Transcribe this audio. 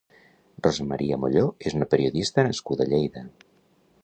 Rosa María Molló és una periodista nascuda a Lleida.